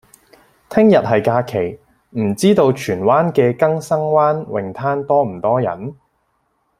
聽日係假期，唔知道荃灣嘅更生灣泳灘多唔多人？